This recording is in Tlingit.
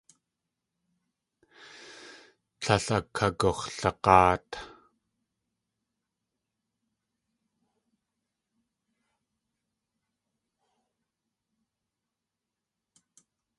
Tlél akagux̲lag̲áat.